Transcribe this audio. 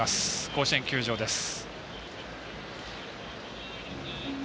甲子園球場です。